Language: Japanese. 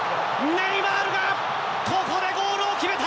ネイマールがここでゴールを決めた！